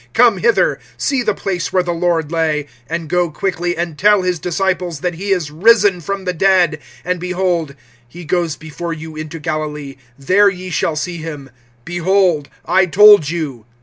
Come hither, see the place where the Lord lay. (7)And go quickly, and tell his disciples that he is risen from the dead. And behold, he goes before you into Galilee; there ye shall see him. Behold, I told you.